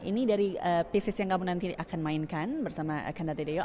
ini dari pieces yang kamu nanti akan mainkan bersama kandate deo